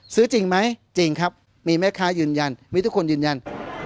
จริงไหมจริงครับมีแม่ค้ายืนยันมีทุกคนยืนยัน